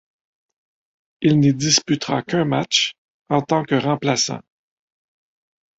Il n'y disputera qu'un match, en tant que remplaçant.